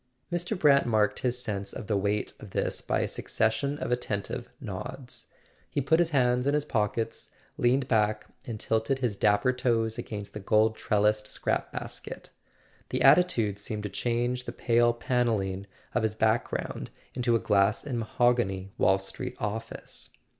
Mr. Brant marked his sense of the weight of this by a succession of attentive nods. He put his hands in his pockets, leaned back, and tilted his dapper toes against the gold trellised scrap basket. The attitude seemed to change the pale panelling of his background into a glass and mahogany Wall Street office.